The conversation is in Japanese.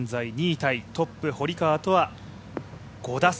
タイ、トップ堀川とは５打差。